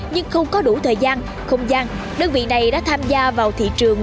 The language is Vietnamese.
nhưng không có đủ thời gian không gian đơn vị này đã tham gia vào thị trường